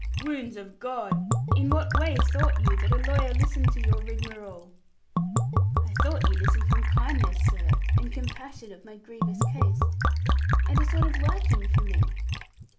'Wounds of God! In what way thought you that a lawyer listened to your rigmarole?' 'I thought that you listened from kindness, sir, and compassion of my grievous case, and a sort of liking for me.'